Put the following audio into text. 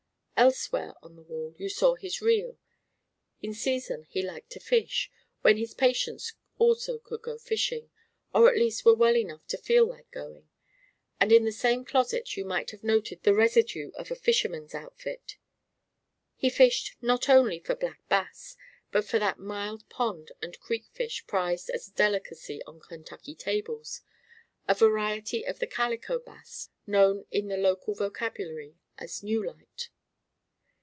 Elsewhere on the wall you saw his reel. In season he liked to fish, when his patients also could go fishing, or at least were well enough to feel like going; and in the same closet you might have noted the residue of a fisherman's outfit. He fished not only for black bass, but for that mild pond and creek fish prized as a delicacy on Kentucky tables a variety of the calico bass known in the local vocabulary as "newlight."